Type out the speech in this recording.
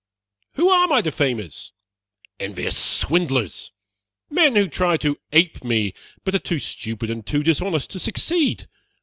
Who are my defamers? Envious swindlers! Men who try to ape me, but are too stupid and too dishonest to succeed.